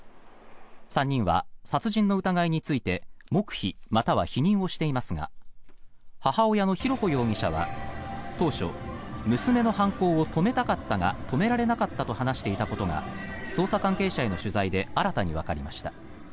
３人は殺人の疑いについて黙秘または否認をしていますが母親の浩子容疑者は、当初娘の犯行を止めたかったが止められなかったと話していたことが捜査関係者への取材で新たにわかりました。